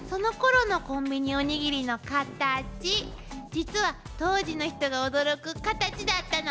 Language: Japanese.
実は当時の人が驚くカタチだったの。